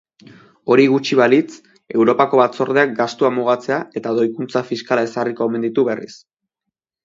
Hori gutxi balitz, Europako Batzordeak gastua mugatzea eta doikuntza fiskala ezarriko omen ditu berriz.